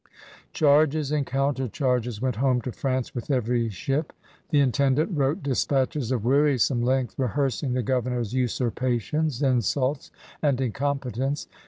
Charges and counter charges went home to France with every ship. The intendant wrote dispatches of wearisome length, rehearsing the governor's usurpations, insults, and incompetence.